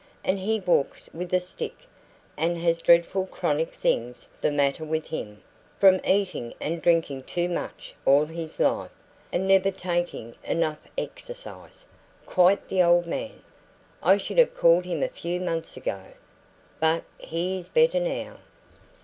And he walks with a stick, and has dreadful chronic things the matter with him, from eating and drinking too much all his life, and never taking enough exercise. Quite the old man, I should have called him a few months ago. But he is better now."